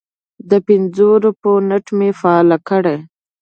د پنځو روپیو نیټ مې فعال کړی